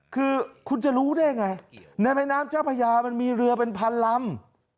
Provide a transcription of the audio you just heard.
คือคุณจะรู้ได้ยังไงในแม่น้ำเจ้าพญามันมีเรือเป็นพันลำ